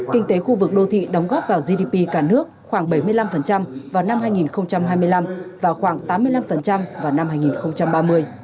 kinh tế khu vực đô thị đóng góp vào gdp cả nước khoảng bảy mươi năm vào năm hai nghìn hai mươi năm và khoảng tám mươi năm vào năm hai nghìn ba mươi